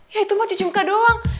ya itu mah cucu mika doang